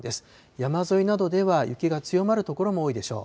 山沿いなどでは雪が強まる所も多いでしょう。